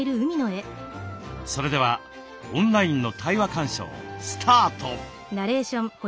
それではオンラインの対話鑑賞スタート。